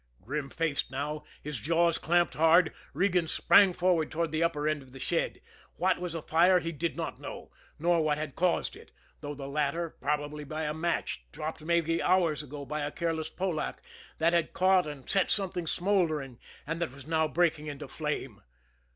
Grim faced now, his jaws clamped hard, Regan sprang forward toward the upper end of the shed. What was afire, he did not know, nor what had caused it though the latter, probably, by a match dropped maybe hours ago by a careless Polack, that had caught and set something smoldering, and that was now breaking into flame.